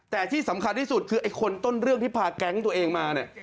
แต่ที่สำคัญที่สุดคือไอ้คนต้นเรื่องที่พาแก๊งตัวเองมาเนี่ย